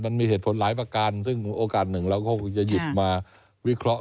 มันมีเหตุผลหลายประการซึ่งโอกาสหนึ่งเราก็คงจะหยิบมาวิเคราะห